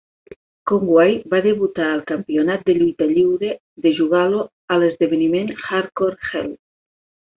Conway va debutar al Campionat de Lluita Lliure de Juggalo a l'esdeveniment Hardcore Hell.